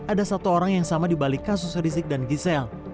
ada satu orang yang sama dibalik kasus rizik dan gisel